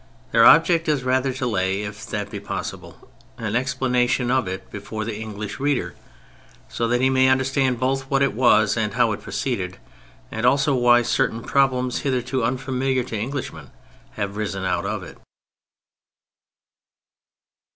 Their object is rather to lay, if that be possible, an explanation of it before the English reader ; so that he may understand both what it was and how it proceeded, and also why certain problems hitherto unfamiliar to Englishmen have risen out of it.